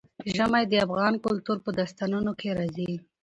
ژمی د افغان کلتور په داستانونو کې راځي.